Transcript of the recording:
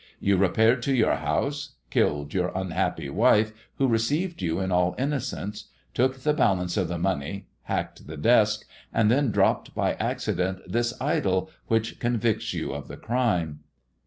You repaired to your house, killed your unhappy wife, who received you in all innocence, took the balance of the money, hacked the desk, and then dropped by accident this idol which convicts you of the crime."